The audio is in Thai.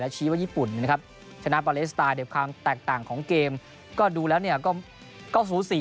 ชี้ว่าญี่ปุ่นนะครับชนะปาเลสไตล์ในความแตกต่างของเกมก็ดูแล้วเนี่ยก็สูสี